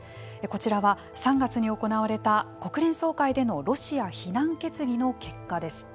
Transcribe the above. こちらは３月に行われた国連総会でのロシア非難決議の結果です。